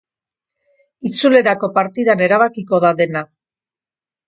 Itzulerako partidan erabakiko da dena.